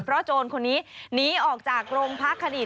เพราะโจรคนนี้หนีออกจากโรงพักคดี